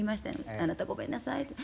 あなた、ごめんなさい。